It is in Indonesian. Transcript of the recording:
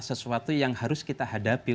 sesuatu yang harus kita hadapi